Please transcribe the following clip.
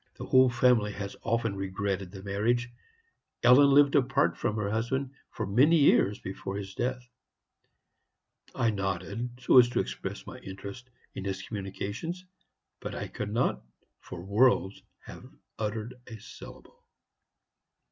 The whole family has often regretted the marriage. Ellen lived apart from her husband for many years before his death.' "I nodded so as to express my interest in his communications, but I could not for worlds have uttered a syllable.